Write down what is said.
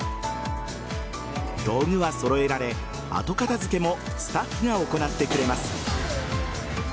道具は揃えられ、後片付けもスタッフが行ってくれます。